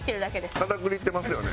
片栗ってますよね。